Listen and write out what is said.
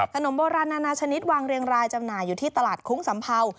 ขนมโบราณนานาชนิดวางเรียงรายจำหน่ายอยู่ที่ตลาดคุ้งสัมเภา